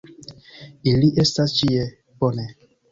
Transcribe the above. Ili estas ĉie. Bone.